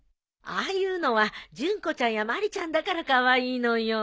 ああいうのは淳子ちゃんや真理ちゃんだからカワイイのよ。